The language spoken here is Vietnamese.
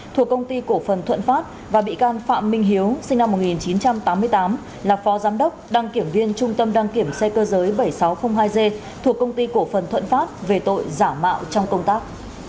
thuộc công ty cổ phần thuận pháp và bị can phạm minh hiếu sinh năm một nghìn chín trăm tám mươi tám là phó giám đốc đăng kiểm viên trung tâm đăng kiểm xe cơ giới bảy nghìn sáu trăm linh hai g thuộc công ty cổ phần thuận pháp về tội giả mạo trong công tác